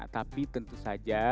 tapi tentu saja